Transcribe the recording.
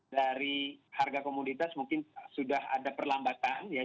dari harga komoditas mungkin sudah ada perlambatan ya